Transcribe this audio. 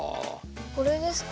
これですか？